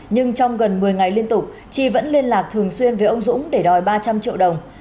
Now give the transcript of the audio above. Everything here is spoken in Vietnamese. nhưng trong gần một mươi ngày liên tục chi vẫn liên lạc thường xuyên với ông dũng để đòi ba trăm linh triệu đồng